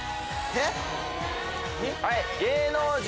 えっ？